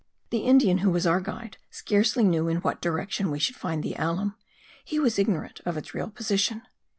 The Indian who was our guide scarcely knew in what direction we should find the alum; he was ignorant of its real position.